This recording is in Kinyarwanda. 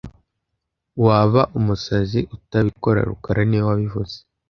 Waba umusazi utabikora rukara niwe wabivuze